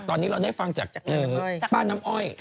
ตอนนี้เราได้ฟังจากป้าน้ำอ้อย